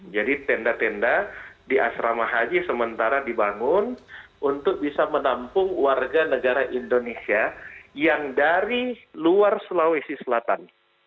jadi tenda tenda di asrama haji sementara dibangun untuk bisa menampung warga negara indonesia yang dari luar sulawesi selatan